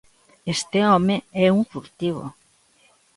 Este home é un furtivo.